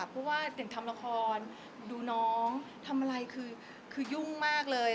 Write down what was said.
เพราะเห็นทำละครน้องทำอะไรคือยุ่งมาก